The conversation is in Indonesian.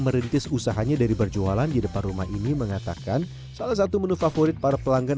merintis usahanya dari berjualan di depan rumah ini mengatakan salah satu menu favorit para pelanggan